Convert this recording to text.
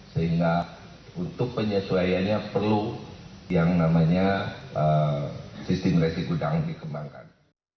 sehingga untuk penyesuaiannya perlu yang namanya sistem resi gudang dikembangkan